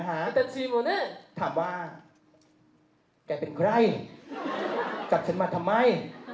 แฟลงบอกว่าฉันเป็นภาษาอัปดาห์